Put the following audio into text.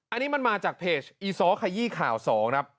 อันนี้มันมาจากเพจอีซ้อขยี้ข่าว๒ครับ